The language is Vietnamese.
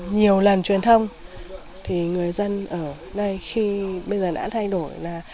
nhiều lần truyền thông thì người dân ở đây khi bây giờ đã thay đổi là